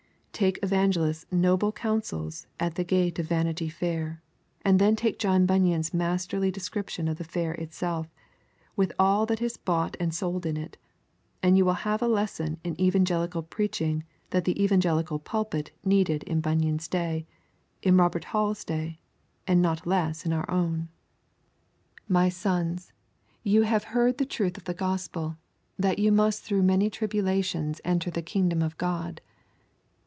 Take Evangelist's noble counsels at the gate of Vanity Fair, and then take John Bunyan's masterly description of the Fair itself, with all that is bought and sold in it, and you will have a lesson in evangelical preaching that the evangelical pulpit needed in Bunyan's day, in Robert Hall's day, and not less in our own. 'My sons, you have heard the truth of the gospel, that you must through many tribulations enter the Kingdom of God.